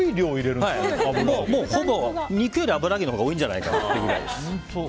ほぼ、肉より油揚げのほうが多いんじゃないかというくらい。